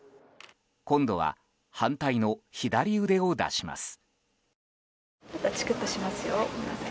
今度は反対の左腕を出します。